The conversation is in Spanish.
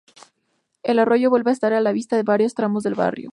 El arroyo vuelve a estar a la vista en varios tramos del barrio.